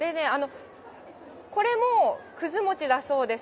これもくず餅だそうです。